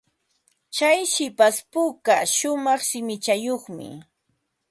Tsay hipashpuka shumaq shimichayuqmi.